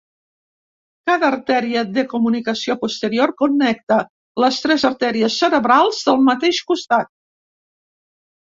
Cada arteria de comunicació posterior connecta les tres arteries cerebrals del mateix costat.